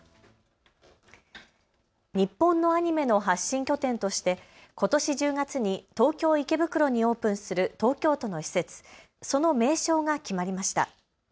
日本のアニメの発信拠点としてことし１０月に東京池袋にオープンする東京都の施設、その名称が決まりました。